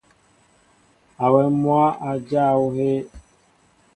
Awem mwă a jáa ohɛy.